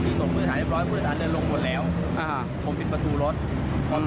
ที่ส่งผู้โดยสารเรียบร้อยผู้โดยสารเดินลงบนแล้วอ่าฮะผมปิดประตูรถอืม